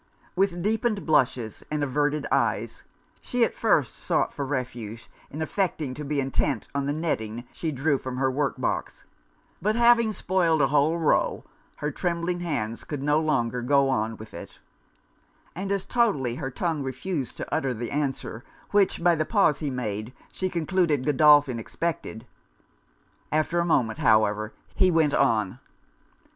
With deepened blushes, and averted eyes, she at first sought for refuge in affecting to be intent on the netting she drew from her work box; but having spoiled a whole row, her trembling hands could no longer go on with it; and as totally her tongue refused to utter the answer, which, by the pause he made, she concluded Godolphin expected. After a moment, however, he went on.